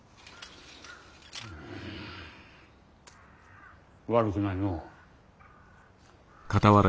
うん悪くないのう。